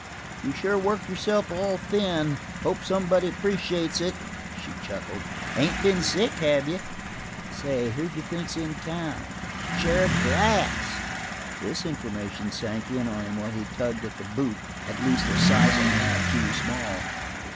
"You sure worked yourself all thin. I hope somebody appreciates it." She chuckled. "Ain't been sick, have you?" "Say, who d'you think's in town? Sheriff Glass!" This information sank in on him while he tugged at a boot at least a size and half too small.